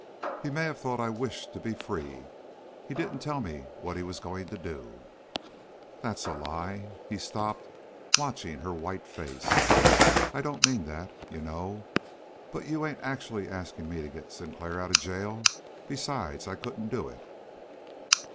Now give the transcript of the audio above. "He may have thought I wished to be free. He didn't tell me what he was going to do." "That's a lie." He stopped, watching her white face. "I don't mean that, you know. But you ain't actually asking me to get Sinclair out of jail? Besides, I couldn't do it!"